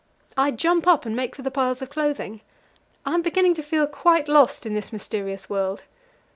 I jump up and make for the piles of clothing; I am beginning to feel quite lost in this mysterious world.